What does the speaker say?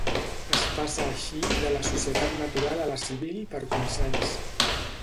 Es passa així, de la societat natural a la civil per consens.